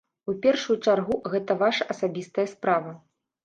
У першую чаргу, гэта ваша асабістая справа.